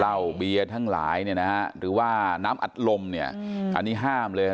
เหล่าเบียร์ทั้งหลายหรือว่าน้ำอัดลมอันนี้ห้ามเลย